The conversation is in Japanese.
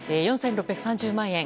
４６３０万円。